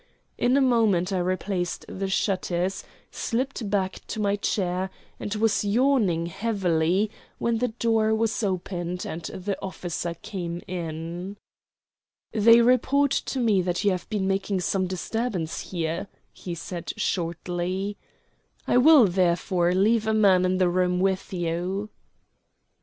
In a moment I replaced the shutters, slipped back to my chair, and was yawning heavily when the door was opened and the officer came in. "They report to me that you have been making some disturbance here," he said shortly. "I will, therefore, leave a man in the room with you."